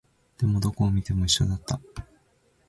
でも、どこを見ても一緒だった